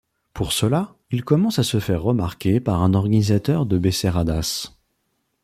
Pour cela il commence à se faire remarquer par un organisateur de becerradas.